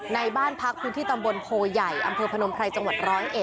ในบ้านพักพื้นที่ตำบลโพใหญ่อำเภอพนมไพรจังหวัด๑๐๑